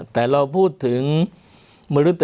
แต่เราพูดถึงมนุษย